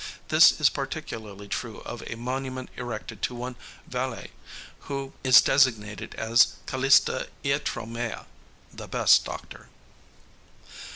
This is particularly true of a monument erected to one Valiæ, who is designated as Kalista iatromaia the best doctor.